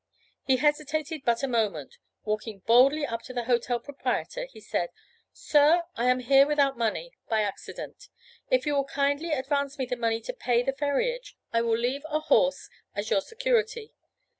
He hesitated but a moment; walking boldly up to the hotel proprietor he said: "Sir, I am here without money, by accident; if you will kindly advance me the money to pay the ferriage, I will leave a horse as your security."